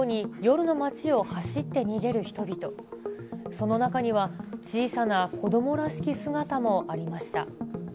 その中には、小さな子どもらしき姿もありました。